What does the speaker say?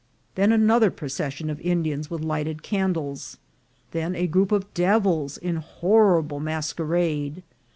Then another procession of Indians with lighted candles ; then a group of devils in horrible mas querade.